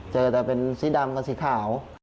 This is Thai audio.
เจอแต่เป็นสีดำกับสีขาว